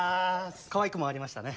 かわいく回りましたね。